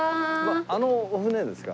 あのお船ですか？